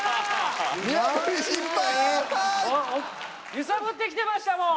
揺さぶってきてましたもん。